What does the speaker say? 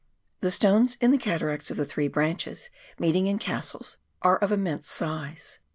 The stones in the cataracts of the three branches meeting in Cassell's are of immense size.